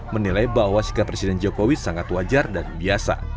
menilai bahwa sikap presiden jokowi sangat wajar dan biasa